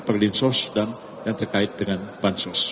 perlinsos dan yang terkait dengan bansos